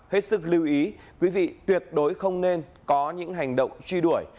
hết sức lưu ý quý vị tuyệt đối không nên có những hành động truy đuổi